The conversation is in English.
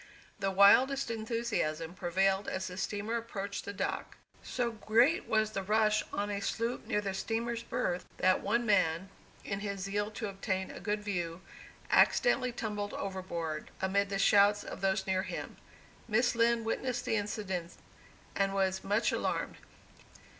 The wildest enthusiasm prevailed as the steamer approached the dock. So great was the rush on a sloop near the steamer's berth, that one man, in his zeal to obtain a good view, accidentally tumbled overboard, amid the shouts of those near him. Miss Lind witnessed this incident, and was much alarmed.